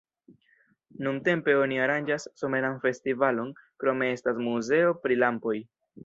Nuntempe oni aranĝas someran festivalon, krome estas muzeo pri lampoj.